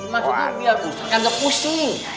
masa itu biar usah kanduk pusing